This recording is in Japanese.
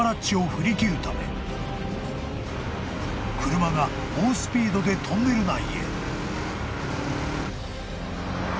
［車が猛スピードでトンネル内へ］